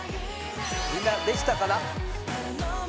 みんなできたかな？